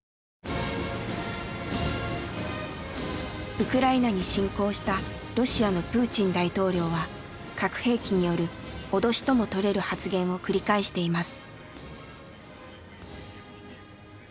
ウクライナに侵攻したロシアのプーチン大統領は核兵器による脅しともとれる発言を繰り返しています。